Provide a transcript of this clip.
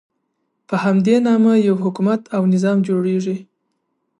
په همدې نامه یو حکومت او نظام جوړېږي.